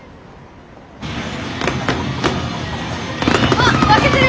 あっ負けてる！